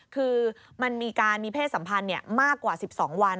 คือมันมีการมีเพศสัมพันธ์มากกว่า๑๒วัน